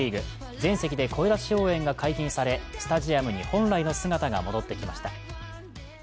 全席で声出し応援が解禁され、スタジアムに本来の姿が戻ってきました。